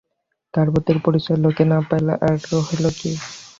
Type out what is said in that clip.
তাহার বুদ্ধির পরিচয় লোকে না পাইলে আর হইল কী।